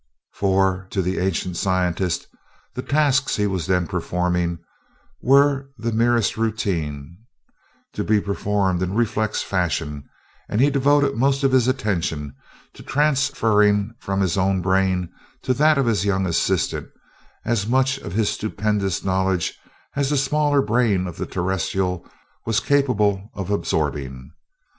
For to the ancient scientist the tasks he was then performing were the merest routine, to be performed in reflex fashion, and he devoted most of his attention to transferring from his own brain to that of his young assistant as much of his stupendous knowledge as the smaller brain of the Terrestrial was capable of absorbing.